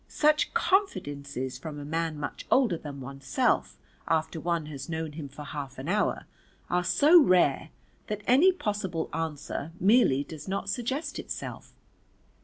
Such confidences from a man much older than oneself after one has known him for half an hour are so rare that any possible answer merely does not suggest itself.